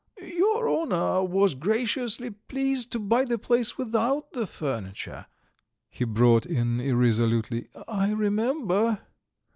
"Your honour was graciously pleased to buy the place without the furniture," he brought out irresolutely; "I remember."